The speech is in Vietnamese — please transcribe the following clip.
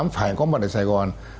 phải có mặt ở sài gòn